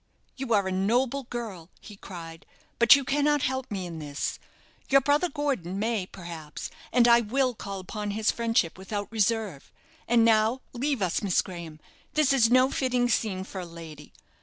"You are a noble girl," he cried; "but you cannot help me in this. Your brother Gordon may, perhaps, and I will call upon his friendship without reserve. And now leave us, Miss Graham; this is no fitting scene for a lady.